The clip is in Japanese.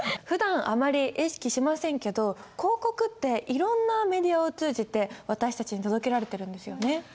ふだんあまり意識しませんけど広告っていろんなメディアを通じて私たちに届けられてるんですよね。